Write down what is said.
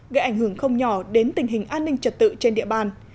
gây ảnh hưởng không nhỏ đến tình hình an ninh trật tự trên địa bàn